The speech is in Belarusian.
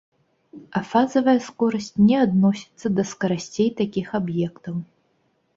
А фазавая скорасць не адносіцца да скарасцей такіх аб'ектаў.